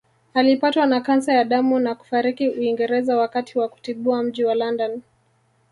Alipatwa na kansa ya damu na kufariki Uingereza wakati wa kutibiwa mji wa London